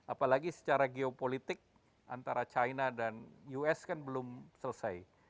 apalagi secara geopolitik antara china dan us kan belum selesai